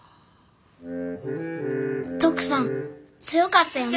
トクさん強かったよね。